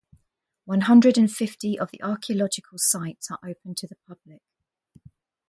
One hundred and fifty of the archaeological sites are open to the public.